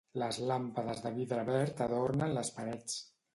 Les làmpades de vidre verd adornen les parets.